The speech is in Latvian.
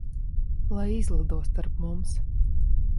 Lai izlido starp mums.